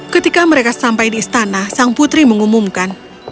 ketika mereka sampai di istana sang putri mengumumkan